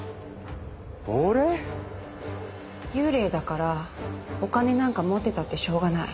幽霊だからお金なんか持ってたってしようがない。